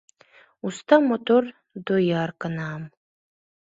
Уста, мотор дояркынам